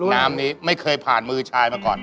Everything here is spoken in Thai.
น้ำนี้ไม่เคยผ่านมือชายมาก่อน